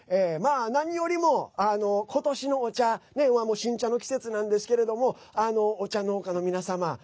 何よりも、ことしのお茶新茶の季節なんですけれどもお茶農家の皆様